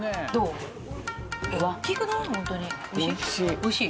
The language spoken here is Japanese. おいしい？